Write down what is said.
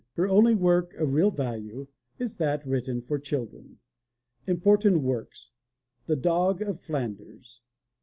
Her only work of real value is that written for children. Important Works: The Dog of Flanders.